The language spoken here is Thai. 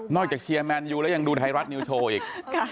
นอกจากเชียร์แมนอยู่แล้วยังดูทรัพย์รัฐนิวโชว์อีก